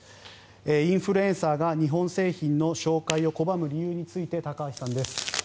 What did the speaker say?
インフルエンサーが日本製品の紹介を拒む理由について高橋さんです。